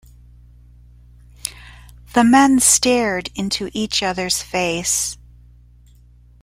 The men stared into each other's face.